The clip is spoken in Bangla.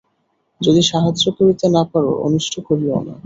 যদি সাহায্য করিতে না পার, অনিষ্ট করিও না।